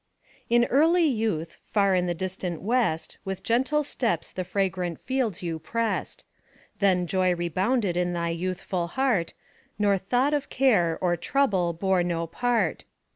IN early youth, far in the distant west, With gentle steps the fragrant fields you pressed; Then joy rebounded in thy youthful heart, Nor thought of care, or trouble, bore no part.